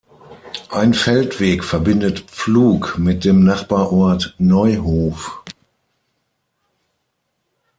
Ein Feldweg verbindet Pflug mit dem Nachbarort Neuhof.